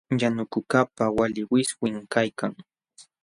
Yanukuqkaqpa walin wiswim kaykan.